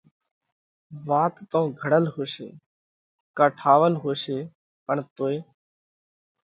وات تو گھڙل هوشي ڪا ٺاول هوشي پڻ توئي